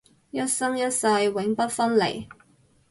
一生一世永不分離